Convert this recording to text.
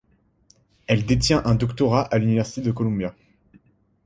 Elle détient un doctorat à l’université Columbia.